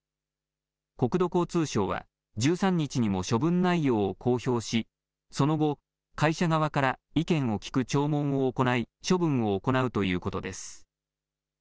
国土交通省は１３日にも処分内容を公表しその後、会社側から意見を聞く聴聞を行い処分を行うということです。